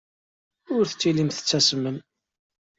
Ur tellim tettasmem.